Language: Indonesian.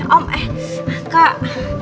om eh kak